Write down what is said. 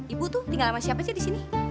ibu tuh tinggal sama siapa aja disini